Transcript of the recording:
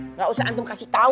enggak usah antum kasih tahu